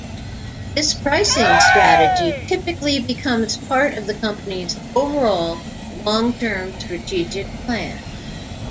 This pricing strategy typically becomes part of the company's overall long -term strategic plan.